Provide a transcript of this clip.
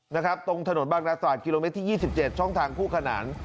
นะครับตรงถนนบ้างราศาสตร์คิโลเมตรที่๒๗ช่องทางผู้ขนาน